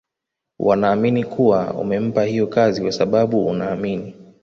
wanaamini kuwa umempa hiyo kazi kwa sababu unaamini